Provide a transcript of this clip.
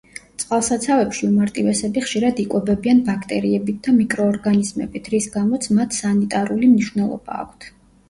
წყალსაცავებში უმარტივესები ხშირად იკვებებიან ბაქტერიებით და მიკროორგანიზმებით, რის გამოც მათ სანიტარული მნიშვნელობა აქვთ.